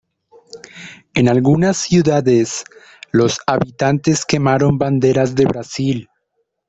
En algunas ciudades, los habitantes quemaron banderas de Brasil.